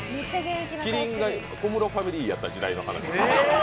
麒麟が小室ファミリーやった時代の話です。